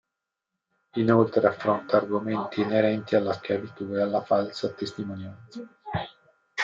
Inoltre affronta argomenti inerenti alla schiavitù e alla falsa testimonianza.